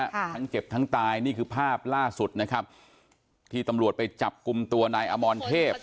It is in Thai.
ทั้งเจ็บทั้งตายนี่คือภาพล่าสุดนะครับที่ตำรวจไปจับกลุ่มตัวนายอมรเทพ